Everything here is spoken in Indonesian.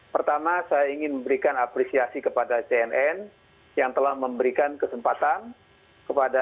pertama saya ingin memberikan apresiasi kepada cnn yang telah memberikan kesempatan kepada